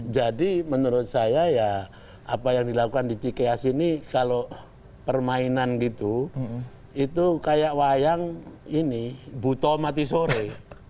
jadi menurut saya ya apa yang dilakukan di ckas ini kalau permainan gitu itu kayak wayang ini buto mati sore